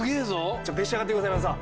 じゃあ召し上がってください今田さん。